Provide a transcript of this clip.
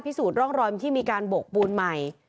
พิสูจน์ร่องรอยมันที่มีการบกบูลใหม่